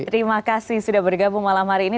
terima kasih sudah bergabung malam hari ini